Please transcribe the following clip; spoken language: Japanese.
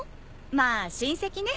まあ親戚ね。